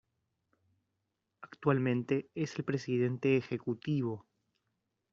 Actualmente es el presidente ejecutivo.